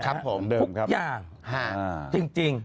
ครับผมเดิมครับทุกอย่างจริง